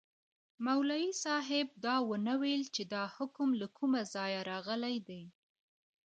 مولوي صاحب دا ونه ویل چي دا حکم له کومه ځایه راغلی دی.